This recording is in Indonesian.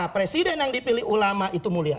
presiden yang dipilih ulama itu mulia